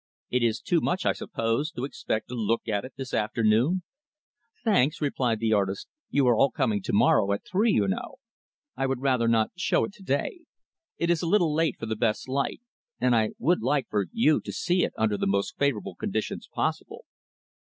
"It is too much, I suppose, to expect a look at it this afternoon?" "Thanks," returned the artist, "you are all coming to morrow, at three, you know. I would rather not show it to day. It is a little late for the best light; and I would like for you to see it under the most favorable conditions possible."